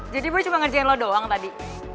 jadi gue cuma ngerjain lo doang tadi